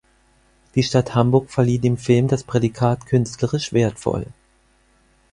Die Stadt Hamburg verlieh dem Film das Prädikat künstlerisch wertvoll.